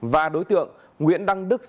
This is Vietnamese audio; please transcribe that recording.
và đối tượng nguyễn đăng đức